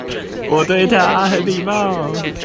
我對他很禮貌